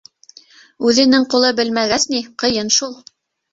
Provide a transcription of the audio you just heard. Үҙенең ҡулы белмәгәс ни, ҡыйын шул.